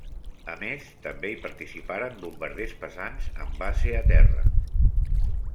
A més, també hi participaren bombarders pesants amb base a terra.